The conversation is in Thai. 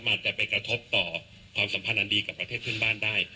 อาจจะไปกระทบต่อความสัมพันธ์อันดีกับประเทศเพื่อนบ้านได้